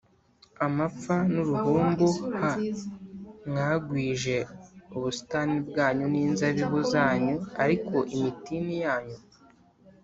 amapfa n uruhumbu h Mwagwije ubusitani bwanyu n inzabibu zanyu ariko imitini yanyu